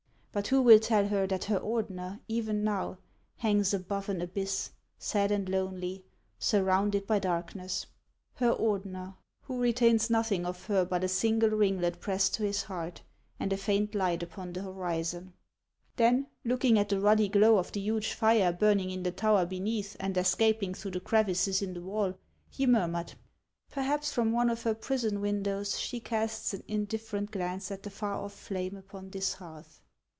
But who will tell her that her Ordener even now hangs above an abyss, sad and lonely, surrounded by dark ness, — her Ordener, who retains nothing of her but a single ringlet pressed to his heart and a faint light upon the horizon !" Then, looking at the ruddy glow of the huge fire burning in the tower beneath, and escaping through the crevices in the wall, he murmured :" Perhaps 254 HANS OF ICELAND. from one of her prison windows she casts an indifferent glance at the far off flame upon this hearth."